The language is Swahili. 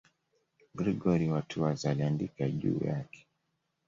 Gregori wa Tours aliandika juu yake.